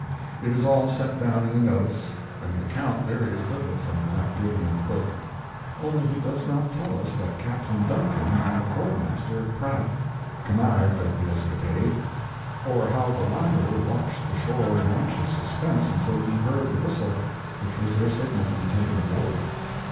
It is all set down in the notes, and the account varies little from that given in the book; only he does not tell us that Captain Duncan and the quartermaster, Pratt, connived at the escapade, or how the latter watched the shore in anxious suspense until he heard the whistle which was their signal to be taken aboard.